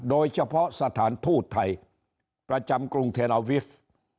โดยเฉพาะสถานทูตไทยประจำกรุงเทนอวิฟท์